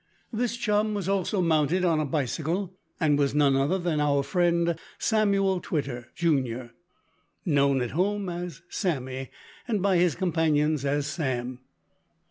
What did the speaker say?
This chum was also mounted on a bicycle, and was none other than our friend Samuel Twitter, Junior known at home as Sammy, and by his companions as Sam.